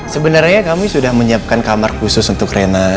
sebenarnya kami sudah menyiapkan kamar khusus untuk renner